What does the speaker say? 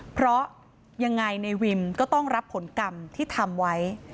เพราะยังไงในวิมก็ต้องรับผลกรรมที่ทำไว้